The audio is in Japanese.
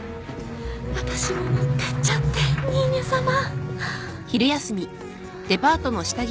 私も持ってっちゃってニーニャさま。